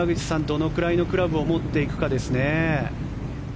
どのくらいのクラブを持っていくかですね。